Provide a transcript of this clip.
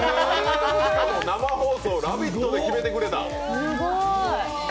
生放送「ラヴィット！」で決めてくれた。